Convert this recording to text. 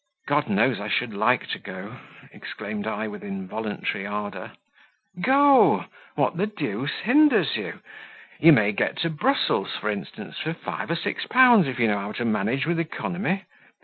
"God knows I should like to go!" exclaimed I with involuntary ardour. "Go: what the deuce hinders you? You may get to Brussels, for instance, for five or six pounds, if you know how to manage with economy."